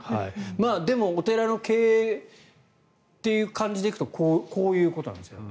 でもお寺の経営という感じでいくとこういうことなんですね。